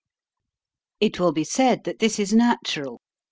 It will be said that this is natural.